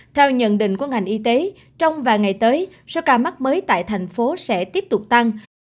theo nhận định của ngành y tế trong vài ngày tới số ca mắc mới tại thành phố sẽ tiếp tục tăng